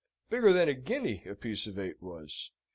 Bigger than a guinea, a piece of eight was.